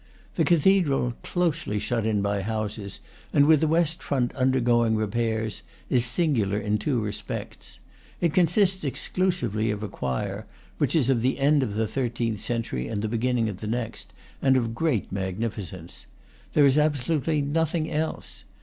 The cathedral, closely shut in by houses, and with the west front undergoing repairs, is singular in two respects. It consists exclusively of a choir, which is of the end of the thirteenth century and the beginning of the next, and of great magnifi cence. There is absolutely nothing else.